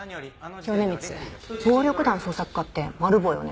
米光暴力団対策課ってマル暴よね。